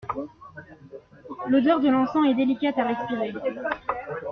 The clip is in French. L'odeur de l'encens est délicate à respirer.